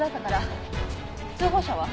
通報者は？